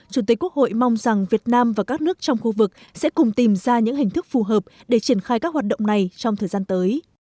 chủ tịch quốc hội mong rằng việt nam và các nước trong khu vực sẽ cùng tìm ra những hình thức phù hợp để triển khai các hoạt động này trong thời gian tới